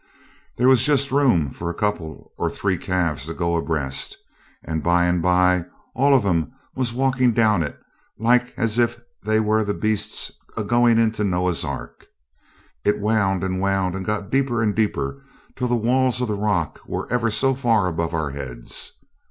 There was just room for a couple or three calves to go abreast, and by and by all of 'em was walking down it like as if they was the beasts agoing into Noah's Ark. It wound and wound and got deeper and deeper till the walls of rock were ever so far above our heads.